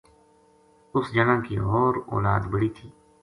اس جنا کی ہور اولاد بڑی تھی